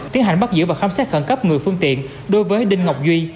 tiến hành bắt giữ và khám xét khẩn cấp người phương tiện đối với đinh ngọc duy